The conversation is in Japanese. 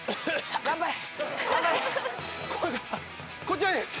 こちらです！